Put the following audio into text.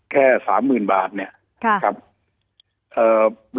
แค่๓๐๐๐๐บาทเนี่ย